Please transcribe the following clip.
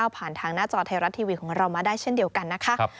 ผ่านทางหน้าจอไทยรัฐทีวีของเรามาได้เช่นเดียวกันนะคะ